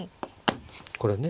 これね。